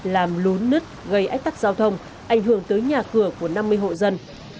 làm lún nứt gây ách tắc giao thông ảnh hưởng tới nhà cửa của năm mươi hộ dân